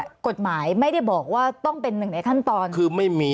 กฎหมายไม่ได้บอกว่าต้องเป็นหนึ่งในขั้นตอนคือไม่มี